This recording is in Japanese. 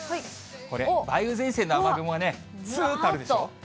これ、梅雨前線の雨雲がずっとあるでしょ。